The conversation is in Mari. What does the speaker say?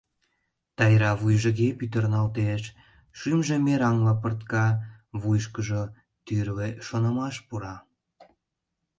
Тайра вуйжыге пӱтырналтеш, шӱмжӧ мераҥла пыртка, вуйышко тӱрлӧ шонымаш пура.